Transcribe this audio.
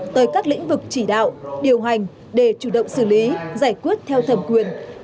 tới các lĩnh vực chỉ đạo điều hành để chủ động xử lý giải quyết theo thẩm quyền